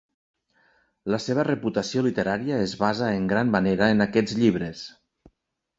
La seva reputació literària es basa en gran manera en aquests llibres.